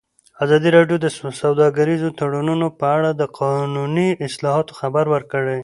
ازادي راډیو د سوداګریز تړونونه په اړه د قانوني اصلاحاتو خبر ورکړی.